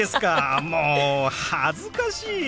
もう恥ずかしい。